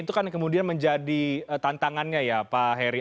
itu kan yang kemudian menjadi tantangannya ya pak heri